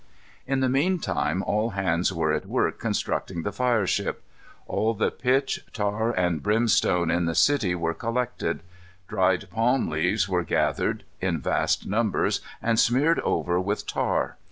In the mean time all hands were at work constructing the fire ship. All the pitch, tar, and brimstone in the city were collected. Dried palm leaves were gathered, in vast numbers, and smeared over with tar.